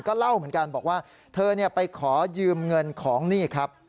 ก็เล่าเหมือนกันบอกว่าเธอไปขอยืมเงินของนี่ครับ